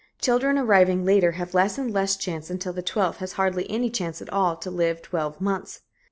Children arriving later have less and less chance, until the twelfth has hardly any chance at all to live twelve months.